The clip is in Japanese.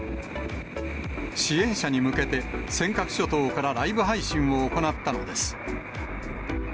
支援者に向けて、尖閣諸島からライブ配信を行ったのです。